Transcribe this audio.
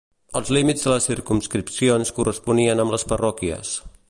Els límits de les circumscripcions corresponien amb les parròquies.